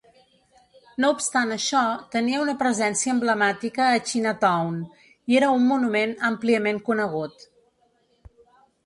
No obstant això, tenia una presència emblemàtica a Chinatown i era un monument àmpliament conegut.